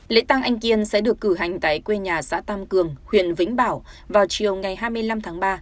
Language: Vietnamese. lễ tăng anh kiên sẽ được cử hành tại quê nhà xã tam cường huyện vĩnh bảo vào chiều ngày hai mươi năm tháng ba